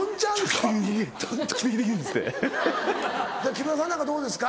木村さんなんかどうですか？